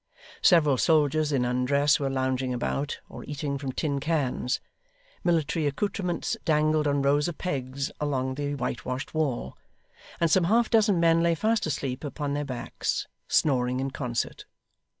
Several soldiers in undress were lounging about, or eating from tin cans; military accoutrements dangled on rows of pegs along the whitewashed wall; and some half dozen men lay fast asleep upon their backs, snoring in concert.